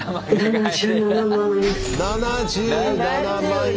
７７万円！